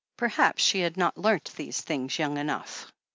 Perhaps she had not learnt these things young enough.